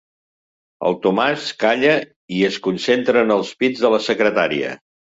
El Tomàs calla i es concentra en els pits de la secretària.